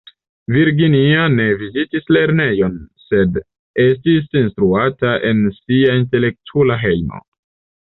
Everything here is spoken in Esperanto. Virginia ne vizitis lernejon, sed estis instruata en sia intelektula hejmo.